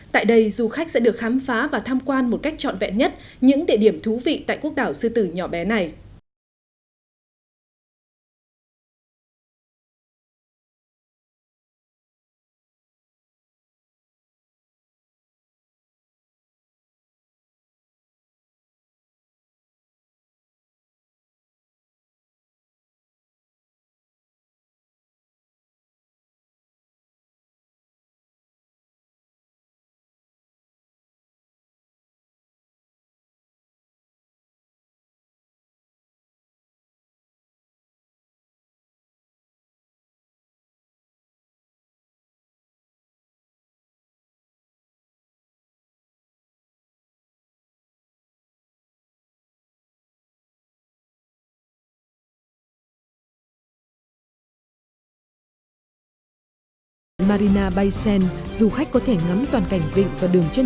tại đây du khách sẽ được khám phá và tham quan một cách chọn vẹn nhất những địa điểm đẹp nhất của singapore